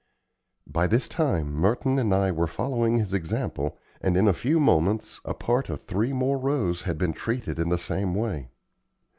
By this time Merton and I were following his example, and in a few moments a part of three more rows had been treated in the same way.